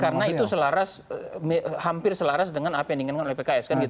karena itu selaras hampir selaras dengan apa yang diinginkan oleh pks